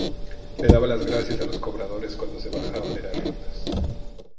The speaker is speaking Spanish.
Le daba las gracias a los cobradores cuando se bajaba de las rutas.